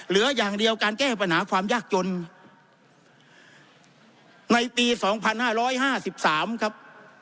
เหลืออย่างเดียวการแก้ปัญหาความยากจนในปีสองพันห้าร้อยห้าสิบสามครับ